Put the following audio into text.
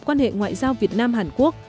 quan hệ ngoại giao việt nam hàn quốc